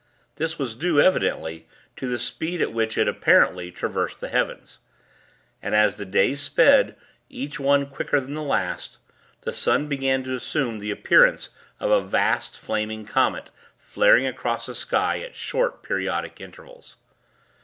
This was due, evidently, to the speed at which it, apparently, traversed the heavens. And, as the days sped, each one quicker than the last, the sun began to assume the appearance of a vast, flaming comet flaring across the sky at short, periodic intervals.